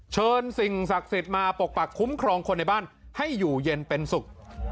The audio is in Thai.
สิ่งศักดิ์สิทธิ์มาปกปักคุ้มครองคนในบ้านให้อยู่เย็นเป็นสุข